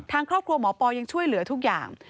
ทางครอบครัวหมอปอยังช่วยเหลือทุกอย่าง